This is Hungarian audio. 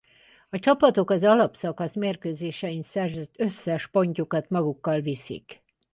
A csapatok az alapszakasz mérkőzésein szerzett összes pontjukat magukkal viszik.